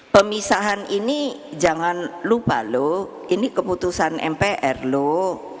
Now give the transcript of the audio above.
pemisahan ini jangan lupa loh ini keputusan mpr loh